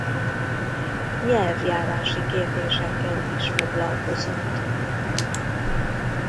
Nyelvjárási kérdésekkel is foglalkozott.